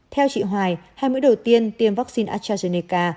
theo chị hoài hai mũi đầu tiên tiêm vaccine astrazeneca